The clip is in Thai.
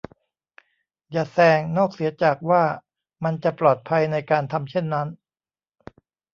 อย่าแซงนอกเสียจากว่ามันจะปลอดภัยในการทำเช่นนั้น